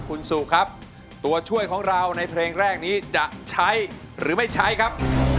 คุณสู่ครับตัวช่วยของเราในเพลงแรกนี้จะใช้หรือไม่ใช้ครับ